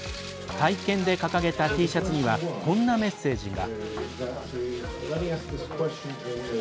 会見で掲げたＴシャツにはこんなメッセージが。